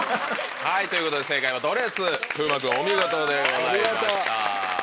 はいということで正解はドレス風磨君お見事でございました。